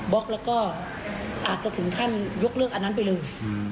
ล็อกแล้วก็อาจจะถึงขั้นยกเลิกอันนั้นไปเลย